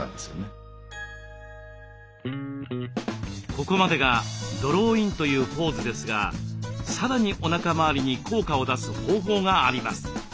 ここまでがドローインというポーズですがさらにおなか回りに効果を出す方法があります。